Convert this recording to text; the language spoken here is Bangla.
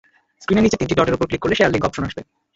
স্ক্রিনের নিচে তিনটি ডটের ওপর ক্লিক করলে শেয়ার লিংক অপশন আসবে।